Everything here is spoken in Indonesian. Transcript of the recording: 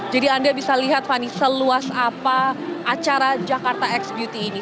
jadi anda bisa lihat fani seluas apa acara jakarta x beauty ini